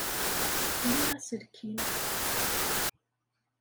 Liɣ aselkim.